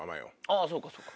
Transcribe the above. あそうかそうか。